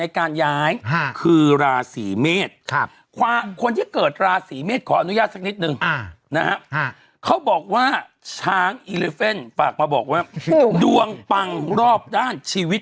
แต่ละราศีเป็นยังไงกันก่อน